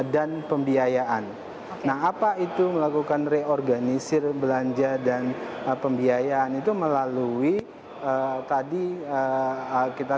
dan pembiayaan nah apa itu melakukan reorganisir belanja dan pembiayaan itu melalui tadi kita